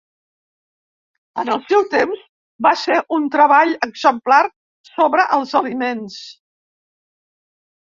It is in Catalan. En el seu temps, va ser un treball exemplar sobre els aliments.